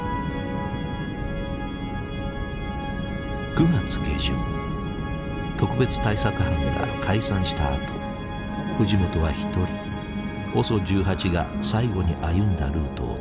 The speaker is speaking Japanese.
９月下旬特別対策班が解散したあと藤本は一人ＯＳＯ１８が最後に歩んだルートをたどっていた。